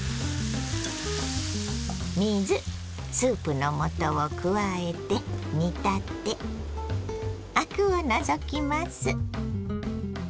水スープの素を加えて煮立てアクを除きます。